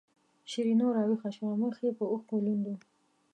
شیرینو راویښه شوه مخ یې په اوښکو لوند و.